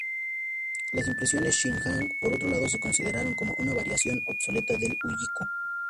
Las impresiones "shin-hanga", por otro lado, se consideraron como una variación obsoleta del "ukiyo-e".